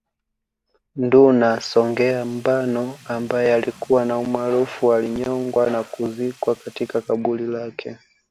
Nduna Songea Mbano ambaye alikuwa na umaarufu alinyongwa na kuzikwa katika kaburi lake